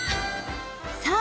さあ